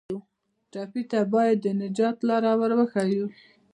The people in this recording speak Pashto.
ټپي ته باید د نجات لاره ور وښیو.